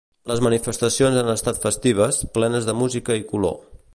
Les manifestacions han estat festives, plenes de música i color.